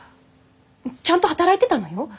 ちゃんと働いてたのよ？